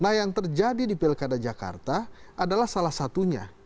nah yang terjadi di pilkada jakarta adalah salah satunya